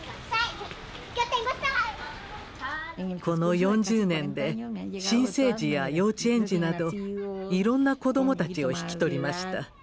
この４０年で新生児や幼稚園児などいろんな子どもたちを引き取りました。